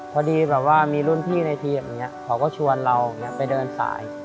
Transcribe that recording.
พอดีแบบว่ามีรุ่นพี่ในทีมอย่างนี้เขาก็ชวนเราไปเดินสาย